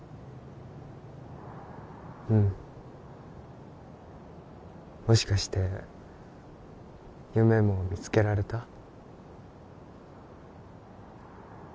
うんもしかして夢も見つけられた？